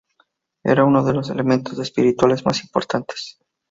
Era uno de los elementos espirituales más importantes.